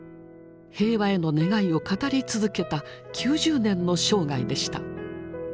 平和への願いを語り続けた９０年の生涯でした。